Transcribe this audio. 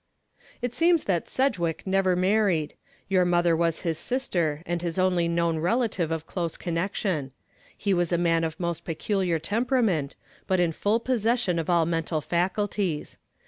"It seems that Sedgwick never married. Your mother was his sister and his only known relative of close connection. He was a man of most peculiar temperament, but in full possession of all mental faculties.